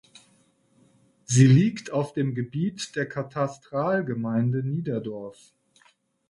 Sie liegt auf dem Gebiet der Katastralgemeinde Niederdorf.